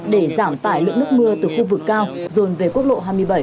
để giảm tải lượng nước mưa từ khu vực cao rồn về quốc lộ hai mươi bảy